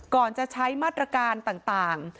ก่อนจะใช้มาตรการต่าง